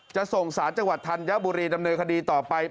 จะส่งสารจังหวัดธัญบุรีดำเนินคดีต่อไป